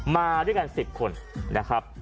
มาด้วยกัน๑๐คนนะครับ